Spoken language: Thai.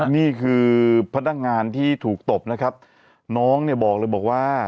นี่คือพนักงานที่ถูกตบนะครับน้องเนี่ยบอกเลยบอกว่า